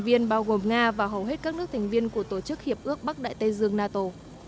viên bao gồm nga và hầu hết các nước thành viên của tổ chức hiệp ước bắc đại tây dương nato